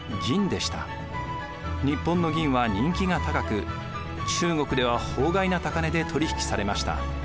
日本の銀は人気が高く中国では法外な高値で取り引きされました。